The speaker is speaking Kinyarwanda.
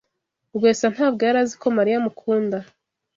Rwesa ntabwo yari azi ko Mariya amukunda.